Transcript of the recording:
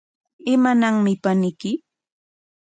¿Imananmi paniyki?